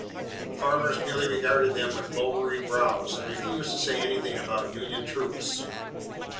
The farmers merely regarded them with lowering brows and refused to say anything about Union troops.